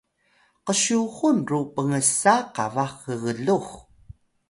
qsyuxun ro pngsa qabax gglux